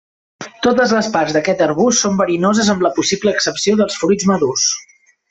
Totes les parts d'aquest arbust són verinoses amb la possible excepció dels fruits madurs.